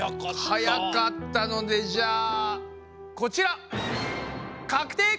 はやかったのでじゃあこちらはいかくてい！